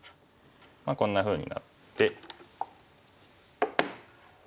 こんなふうになって。